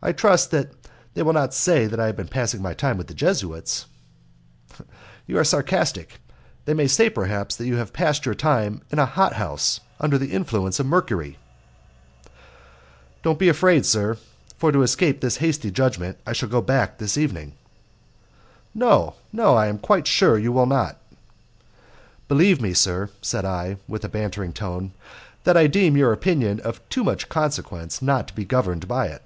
"I trust they will not say that I have been passing my time with the Jesuits." "You are sarcastic. They may say, perhaps, that you have passed your time in a hot house under the influence of Mercury." "Don't be afraid, sir, for to escape this hasty judgment I shall go back this evening." "No, no, I am quite sure you will not." "Believe me, sir," said I, with a bantering tone, "that I deem your opinion of too much consequence not to be governed by it."